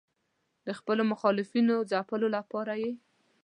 د خپلو مخالفینو ځپلو لپاره یې.